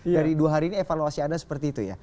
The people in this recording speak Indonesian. dari dua hari ini evaluasi anda seperti itu ya